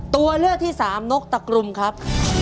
ตัวเลือกที่สามนกตะกรุมครับ